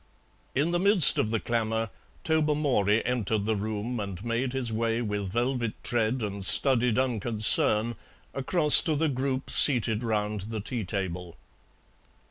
In the midst of the clamour Tobermory entered the room and made his way with velvet tread and studied unconcern across to the group seated round the tea table.